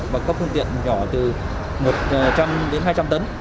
bằng các phương tiện nhỏ từ một trăm linh đến hai trăm linh tấn